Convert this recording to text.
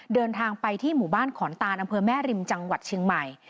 เดินทางไปที่หมู่บ้านขอนตานอำเภอแม่ริมจังหวัดเชียงใหม่